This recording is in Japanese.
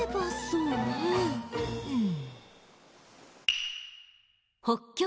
うん。